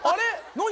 何？